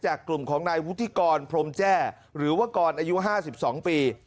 กลุ่มของนายวุฒิกรพรมแจ้หรือว่ากรอายุ๕๒ปี